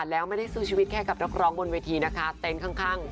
แล้วไม่ได้สู้ชีวิตแค่กับนักร้องบนเวทีนะคะเต็นต์ข้าง